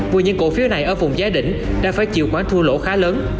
vì những cổ phiếu này ở vùng giá đỉnh đã phải chịu quán thua lỗ khá lớn